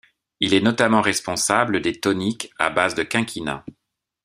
Il est notamment responsable des toniques à base de quinquina.